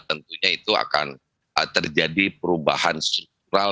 tentunya itu akan terjadi perubahan struktural